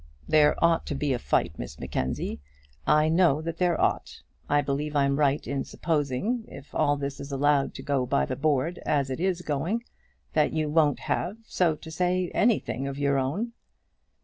"There ought to be a fight, Miss Mackenzie; I know that there ought. I believe I'm right in supposing, if all this is allowed to go by the board as it is going, that you won't have, so to say, anything of your own."